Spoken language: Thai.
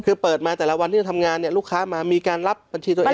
คือเปิดมาแต่ละวันที่จะทำงานเนี่ยลูกค้ามามีการรับบัญชีตัวเอง